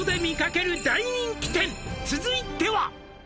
「続いては」